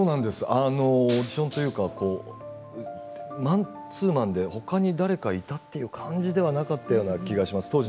オーディションというかマンツーマンでほかに誰かいたという感じではなかったような気がします。